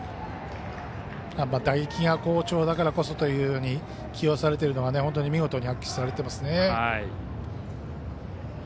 打撃が好調だからこそというふうに起用されているのが見事に発揮されていますね。